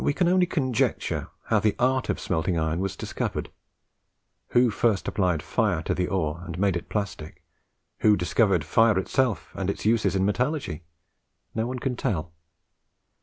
We can only conjecture how the art of smelting iron was discovered. Who first applied fire to the ore, and made it plastic; who discovered fire itself, and its uses in metallurgy? No one can tell.